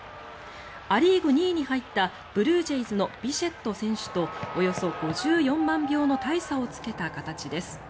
ア・リーグ２位に入ったブルージェイズのビシェット選手とおよそ５４万票の大差をつけた形です。